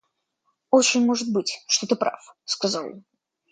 Очень может быть, что ты прав, — сказал он.